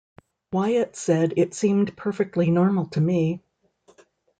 Wyatt said It seemed perfectly normal to me.